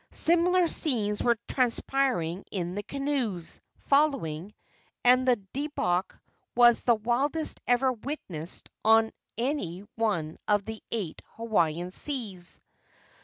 Similar scenes were transpiring in the canoes following, and the debauch was the wildest ever witnessed on any one of the eight Hawaiian seas.